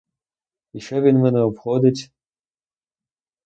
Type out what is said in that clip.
І що він мене обходить?